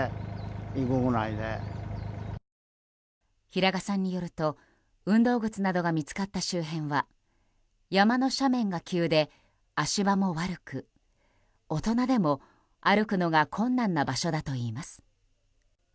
平賀さんによると運動靴などが見つかった周辺は山の斜面が急で足場も悪く大人でも歩くのが困難な場所だといいます。